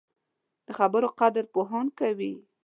د خبرو قدر پوهان کوي